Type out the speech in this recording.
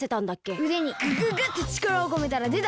うでにグググッてちからをこめたらでた！